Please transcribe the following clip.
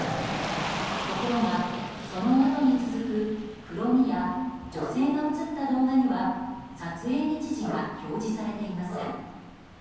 ところが、そのあとに続く黒味や女性が映った動画には撮影日時が表示されていません。